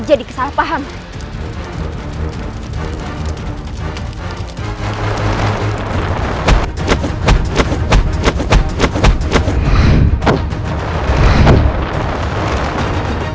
jangan lakukan hal seperti ini